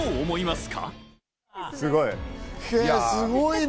すごいね。